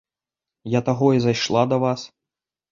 Я таго і зайшла да вас.